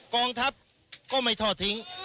กองทัพก็ไม่ทอดทิ้ง